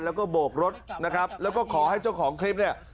แล้วก็โบกรถนะครับแล้วก็ขอให้เจ้าของคลิปเนี่ย